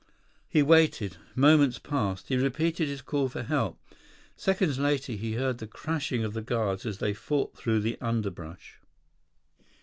He waited. Moments passed. He repeated his call for help. Seconds later, he heard the crashing of the guards as they fought through the underbrush.